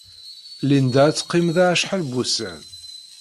Linda ad teqqim da acḥal n wussan.